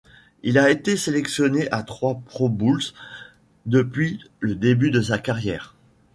Il a été sélectionné à trois Pro Bowls depuis le début de sa carrière.